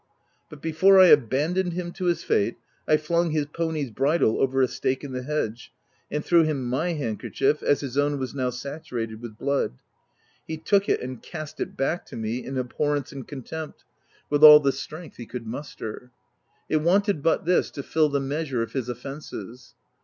But before I abandoned him to his fate, I flung his pony's bridle over a stake in the hedge, and threw him my handkerchief, as his own was now saturated with blood. He took it and cast it back to me, in abhorrence and OF WILDFELL HALL. 243 contempt, with all the strength he could muster. It wanted but this to fill the measure of his offences.